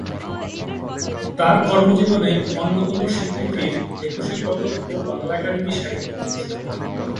তার কর্মজীবনের অন্যতম স্বীকৃতির একুশে পদক ও বাংলা একাডেমি সাহিত্য পুরস্কার।